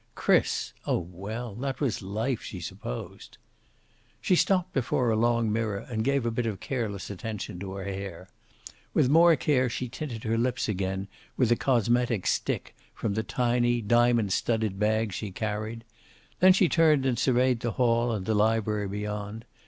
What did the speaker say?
Chris! Oh, well, that was life, she supposed. She stopped before a long mirror and gave a bit of careless attention to her hair. With more care she tinted her lips again with a cosmetic stick from the tiny, diamond studded bag she carried. Then she turned and surveyed the hall and the library beyond.